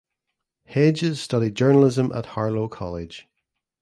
Hedges studied journalism at Harlow College.